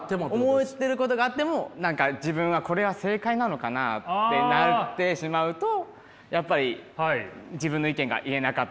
思ってることがあっても自分は「これは正解なのかな？」ってなってしまうとやっぱり自分の意見が言えなかったりとか。